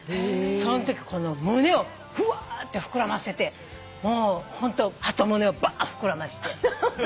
そんときこの胸をふわって膨らませてもうホントはと胸をばっ膨らまして。